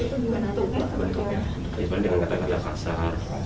dibanding dengan kata kata kasar